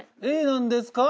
Ａなんですか？